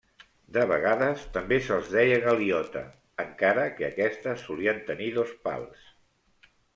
De vegades també se'ls deia galiota, encara que aquestes solien tenir dos pals.